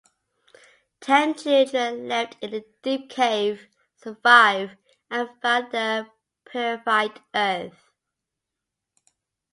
Ten children left in a deep cave survive and find the purified Earth.